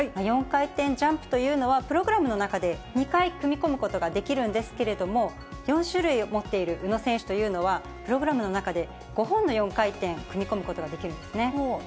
４回転ジャンプというのは、プログラムの中で２回組み込むことができるんですけれども、４種類を持っている宇野選手というのは、プログラムの中で５本の４回転を組み込むことができるんですね。